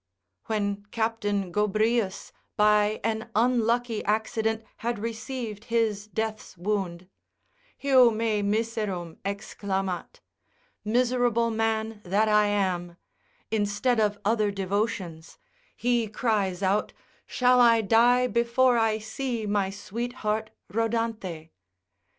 When Captain Gobrius by an unlucky accident had received his death's wound, heu me miserum exclamat, miserable man that I am, (instead of other devotions) he cries out, shall I die before I see my sweetheart Rhodanthe?